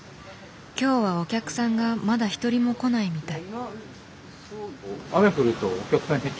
今日はお客さんがまだ一人も来ないみたい。